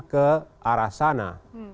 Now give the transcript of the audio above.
ke arah sana